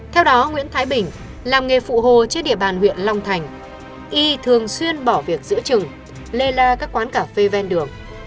theo đó nguyễn thái bình làm nghề phụ hồ trên địa bàn huyện long thành y thường xuyên bỏ việc giữa trừng lê la các quán cà phê ven đường